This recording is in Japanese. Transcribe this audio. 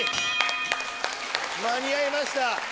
間に合いました。